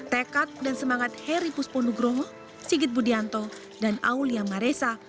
tekad dan semangat heri pusponugroho sigit budianto dan aulia maresa